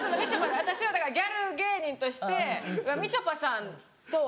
私はだからギャル芸人としてみちょぱさんとお仕事。